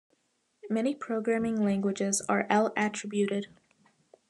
Many programming languages are L-attributed.